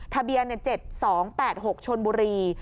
ทะเบียน๗๒๘๖ชนบุรี